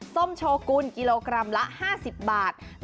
ส้มโชกุลกิโลกรัมละ๕๐บาท